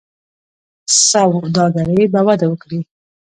سوداګري به وده وکړي.